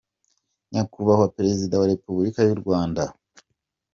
-Nyakubahwa Perezida wa Repubulika y’u Rwanda